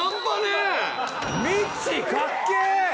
みっちーかっけえ！